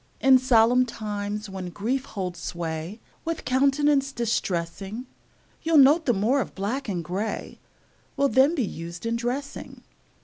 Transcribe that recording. In solemn times, when grief holds sway With countenance distressing, You'll note the more of black and gray Will then be used in dressing.